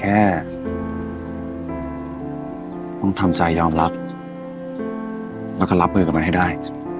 แค่ต้องทำใจยอมรับแล้วก็รับมือกับมันให้ได้